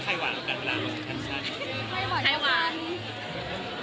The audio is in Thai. จริงหรือว่าใครหวานกันละ